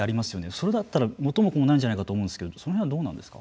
それだったら元も子もないんじゃないかと思うんですけどそれはどうなんですか。